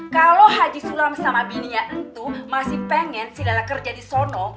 kalau haji sulam sama bininya itu masih pengen sila kerja di sono